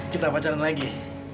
kita pacaran lagi